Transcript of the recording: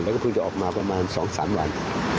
แล้วก็เพิ่งจะออกมาประมาณ๒๓วัน